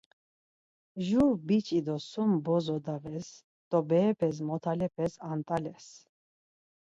Jur biç̌i do sum bozo daves do berepes motalepes ant̆ales.